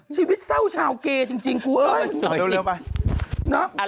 ชีวิตเศร้าชาวเกยจริงมันเผาเลย